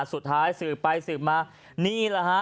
สุดท้ายสืบไปสืบมานี่แหละค่ะ